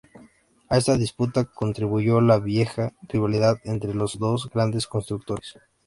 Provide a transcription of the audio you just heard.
A esta disputa contribuyó la vieja rivalidad entre los dos grandes constructores.